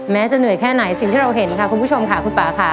จะเหนื่อยแค่ไหนสิ่งที่เราเห็นค่ะคุณผู้ชมค่ะคุณป่าค่ะ